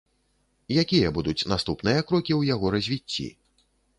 Якія будуць наступныя крокі ў яго развіцці?